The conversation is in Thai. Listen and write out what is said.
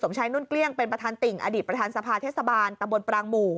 ใช้นุ่นเกลี้ยงเป็นประธานติ่งอดีตประธานสภาเทศบาลตำบลปรางหมู่